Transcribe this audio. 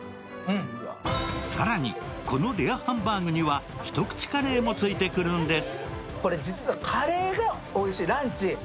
更に、このレアハンバーグにはひとくちカレーも付いてくるんです。